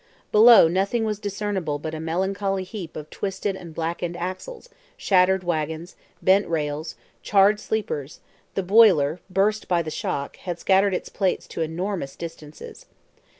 Below nothing was discernible but a melancholy heap of twisted and blackened axles, shattered wagons, bent rails, charred sleepers; the boiler, burst by the shock, had scattered its plates to enormous distances.